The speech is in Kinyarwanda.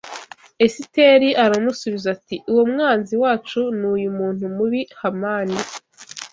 Esiteri aramusubiza ati uwo mwanzi wacu ni uyu muntu mubi Hamani!